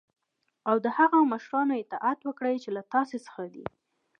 او د هغه مشرانو اطاعت وکړی چی له تاسی څخه دی .